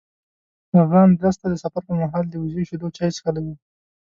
هغه اندلس ته د سفر پر مهال د وزې شیدو چای څښلي و.